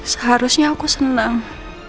seharusnya aku senang